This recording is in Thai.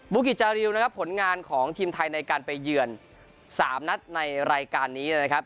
กิจจาริวนะครับผลงานของทีมไทยในการไปเยือน๓นัดในรายการนี้นะครับ